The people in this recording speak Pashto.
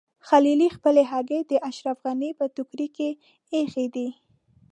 خلیلي خپلې هګۍ د اشرف غني په ټوکرۍ کې ایښي دي.